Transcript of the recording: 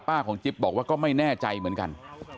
ของจิ๊บบอกว่าก็ไม่แน่ใจเหมือนกัน